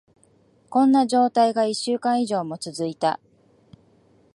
こんな状態が一週間以上も続いた。